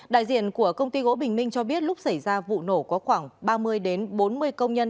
đại diện của công ty gỗ bình minh cho biết lúc xảy ra vụ nổ có khoảng ba mươi bốn mươi công nhân